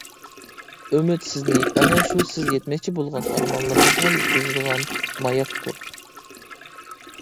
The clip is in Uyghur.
ئۈمىد سىزنى ئەنە شۇ سىز يەتمەكچى بولغان ئارمانلىرىڭىزغا يەتكۈزىدىغان ماياكتۇر.